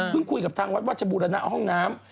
คุยกับทางวัดวัชบูรณะห้องน้ำ